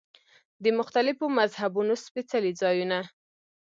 د مختلفو مذهبونو سپېڅلي ځایونه.